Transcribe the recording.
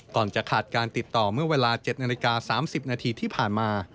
ก่อนจะขาดการติดต่อเมื่อเวลา๗นาฬิกา๓๐นาทีที่ผ่านมา